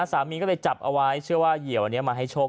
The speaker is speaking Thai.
สามีก็เลยจับเอาไว้เชื่อว่าเหยื่ออันนี้มาให้โชค